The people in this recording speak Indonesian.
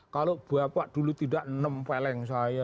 kalau bapak dulu tidak nempeleng saya